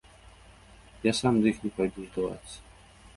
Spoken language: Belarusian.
Я сам да іх не пайду здавацца.